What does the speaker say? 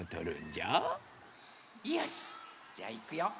じゃあいくよ。